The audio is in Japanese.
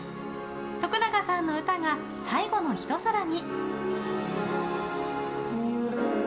徳永さんの歌が最後のひと皿に。